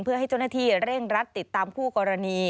เพื่อให้เจ้าหน้าที่เร่งรัดติดตามคู่กรณี